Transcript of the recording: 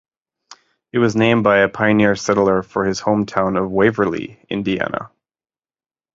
It was named by a pioneer settler for his hometown of Waverly, Indiana.